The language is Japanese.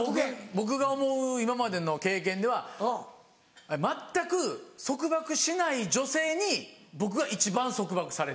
僕が思う今までの経験では全く束縛しない女性に僕は一番束縛されてました。